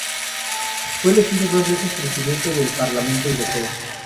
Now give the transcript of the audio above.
Fue elegido dos veces presidente del Parlamento Europeo.